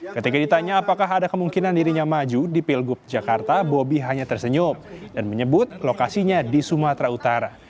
ketika ditanya apakah ada kemungkinan dirinya maju di pilgub jakarta bobi hanya tersenyum dan menyebut lokasinya di sumatera utara